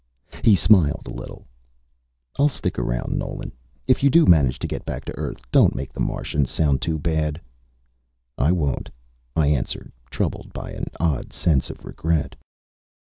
He smiled a little. "I'll stick around, Nolan. If you do manage to get back to Earth, don't make the Martians sound too bad." "I won't," I answered, troubled by an odd sense of regret.